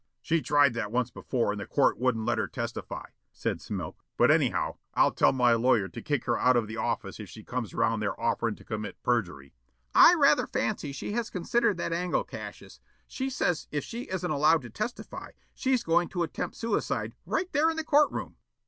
"She tried that once before and the court wouldn't let her testify," said Smilk. "But anyhow, I'll tell my lawyer to kick her out of the office if she comes around there offering to commit perjury." "I rather fancy she has considered that angle, Cassius. She says if she isn't allowed to testify, she's going to attempt suicide right there in the court room."